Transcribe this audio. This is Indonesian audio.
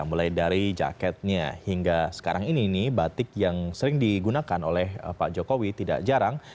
mulai dari jaketnya hingga sekarang ini batik yang sering digunakan oleh pak jokowi tidak jarang